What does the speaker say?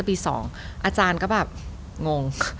ปี๒อาจารย์ก็แบบงง